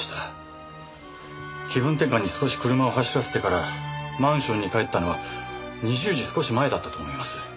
気分転換に少し車を走らせてからマンションに帰ったのは２０時少し前だったと思います。